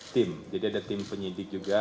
tim jadi ada tim penyidik juga